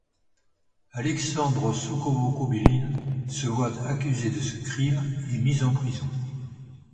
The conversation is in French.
Aleksandre Soukhovo-Kobyline se voit accusé de ce crime et mis en prison.